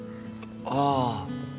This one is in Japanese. ああ